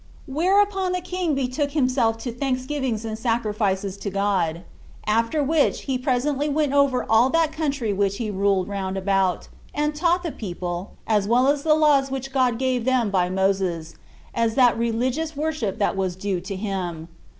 Whereupon the king betook himself to thanksgivings and sacrifices to God; after which he presently went over all that country which he ruled round about, and taught the people, as well the laws which God gave them by Moses, as that religious worship that was due to him.